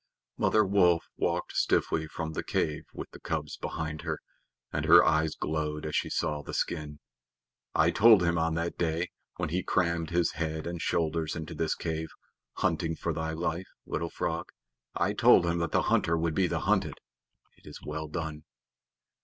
Mother Wolf walked stiffly from the cave with the cubs behind her, and her eyes glowed as she saw the skin. "I told him on that day, when he crammed his head and shoulders into this cave, hunting for thy life, Little Frog I told him that the hunter would be the hunted. It is well done."